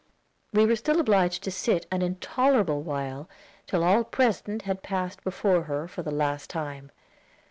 We were still obliged to sit an intolerable while, till all present had passed before her for the last time.